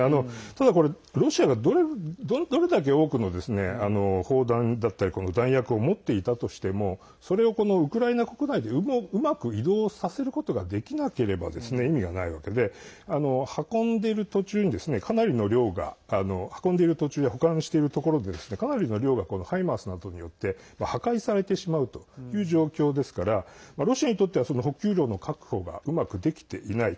ただ、これロシアがどれだけ多くの砲弾だったり弾薬を持っていたとしてもそれを、このウクライナ国内でうまく移動させることができなければ意味がないわけで運んでいる途中や保管しているところでかなりの量が「ハイマース」などによって破壊されてしまうという状況ですからロシアにとっては補給路の確保がうまくできていない。